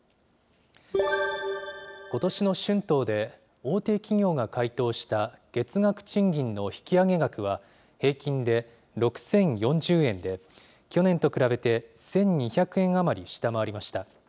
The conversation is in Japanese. ことしの春闘で、大手企業が回答した月額賃金の引き上げ額は、平均で６０４０円で、去年と比べて１２００円余り下回りました。